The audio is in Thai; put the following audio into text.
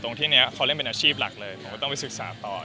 ที่นี้เขาเล่นเป็นอาชีพหลักเลยผมก็ต้องไปศึกษาต่อ